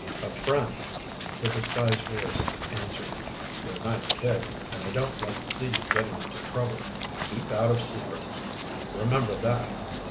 "A friend," the disguised voice answered. "You're a nice kid and I don't like to see you getting into trouble. Keep out of Seaford. Remember that!